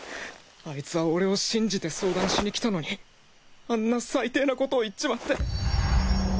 アイツは俺を信じて相談しに来たのにあんな最低なことを言っちまって。